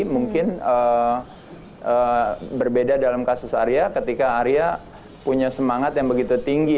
mungkin berbeda dalam kasus arya ketika arya punya semangat yang begitu tinggi